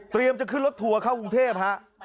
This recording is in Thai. เตรียมจะขึ้นรถทัวร์เข้ากรุงเทพฯ